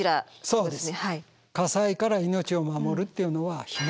そうです。